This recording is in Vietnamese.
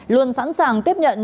luôn sẵn sàng tiếp nhận